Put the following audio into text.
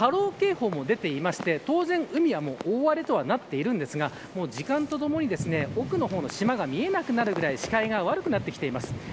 今、暴風波浪警報も出ていて当然、海は大荒れとはなっているんですが時間とともに奥の方の島が見えなくなるくらい視界が悪くなってきています。